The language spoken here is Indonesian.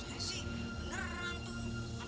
ya sih beneran tuh